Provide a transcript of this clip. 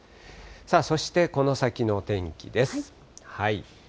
そして、この先の天気です。